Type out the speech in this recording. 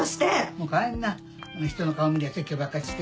もう帰んなひとの顔見りゃ説教ばっかりして。